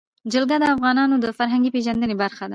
جلګه د افغانانو د فرهنګي پیژندنې برخه ده.